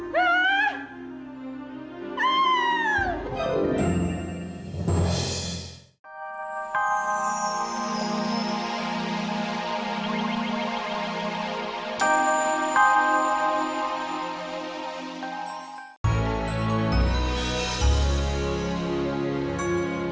sampai jumpa lagi